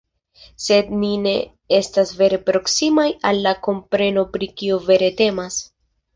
Sed ni ne estas vere proksimaj al la kompreno pri kio vere temas”.